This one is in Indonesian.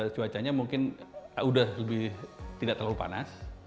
nah itu cuacanya mungkin udah lebih tidak terlalu panas